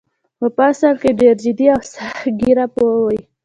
خو په اصل کې ډېر جدي او سخت ګیره پوه وې.